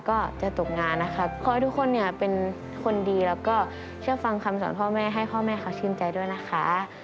ก็จะตกงานนะคะขอให้ทุกคนเนี่ยเป็นคนดีแล้วก็เชื่อฟังคำสอนพ่อแม่ให้พ่อแม่เขาชื่นใจด้วยนะคะ